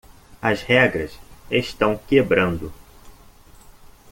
As regras estão quebrando.